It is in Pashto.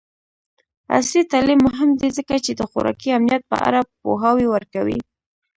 عصري تعلیم مهم دی ځکه چې د خوراکي امنیت په اړه پوهاوی ورکوي.